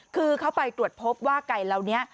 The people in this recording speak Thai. คือเขาไปตรวจพบว่าไก่เหล่านี้